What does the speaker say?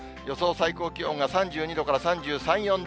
最高気温が３２度から３３、４度。